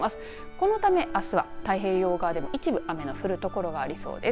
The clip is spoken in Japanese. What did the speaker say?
このためあすは太平洋側でも一部雨の降る所がありそうです。